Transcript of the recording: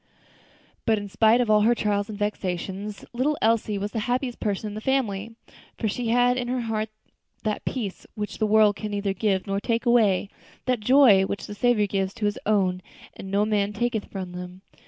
But in spite of all her trials and vexations, little Elsie was the happiest person in the family; for she had in her heart that peace which the world can neither give nor take away; that joy which the Saviour gives to His own, and no man taketh from them.